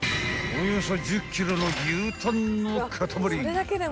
およそ１０ｋｇの牛タンの塊］